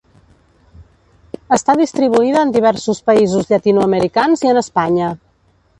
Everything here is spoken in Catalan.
Està distribuïda en diversos països llatinoamericans i en Espanya.